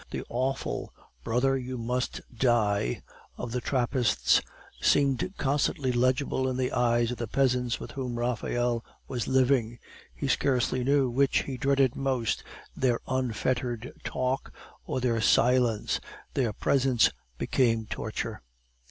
The awful Brother, you must die, of the Trappists seemed constantly legible in the eyes of the peasants with whom Raphael was living; he scarcely knew which he dreaded most, their unfettered talk or their silence; their presence became torture.